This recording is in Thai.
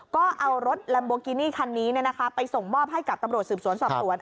ก็เอารถลัมโบกินี่คันนี้ไปส่งมอบให้กับตำรวจสืบสวนสอบสวน